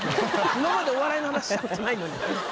今までお笑いの話したことないのに。